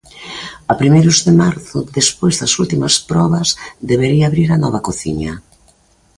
A primeiros de marzo, despois das últimas probas, debería abrir a nova cociña.